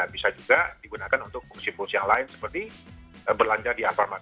bisa juga digunakan untuk fungsi fungsi yang lain seperti berlanja di alfamart